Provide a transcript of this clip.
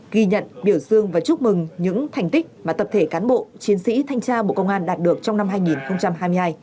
ghi nhận biểu dương và chúc mừng những thành tích mà tập thể cán bộ chiến sĩ thanh tra bộ công an đạt được trong năm hai nghìn hai mươi hai